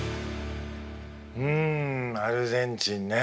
うんアルゼンチンね。